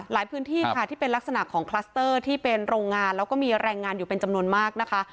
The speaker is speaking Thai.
พื้นที่ค่ะที่เป็นลักษณะของคลัสเตอร์ที่เป็นโรงงานแล้วก็มีแรงงานอยู่เป็นจำนวนมากนะคะ